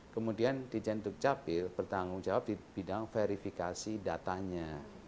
kemudian di jenduk capil bertanggung jawab di bidang verifikasi datanya